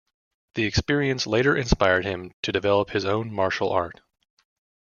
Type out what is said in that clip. The experience later inspired him to develop his own martial art.